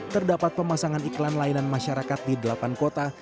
terdapat pemasangan iklan layanan masyarakat di delapan kota